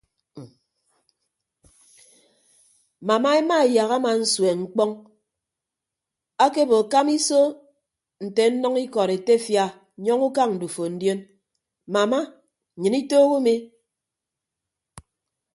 Mama emaeyak ama nsueñ mkpọñ akebo kama iso nte nnʌñ ikọd etefia nyọñ ukañ ndufo ndion mama nnyịn itoho umi.